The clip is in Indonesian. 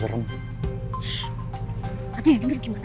b estem ini kamarnya